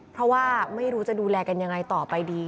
เพราะว่าไม่รู้จะดูแลกันยังไงต่อไปดี